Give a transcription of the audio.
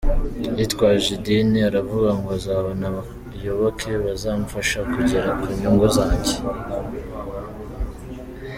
Yitwaje idini aravuga ngo nzabona abayoboke bazamfasha kugera ku nyungu zanjye.